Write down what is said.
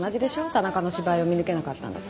田中の芝居を見抜けなかったんだから。